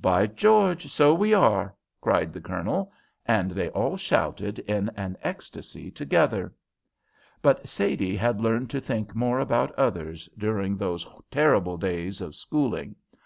"By George, so we are!" cried the Colonel, and they all shouted in an ecstasy together. But Sadie had learned to think more about others during those terrible days of schooling.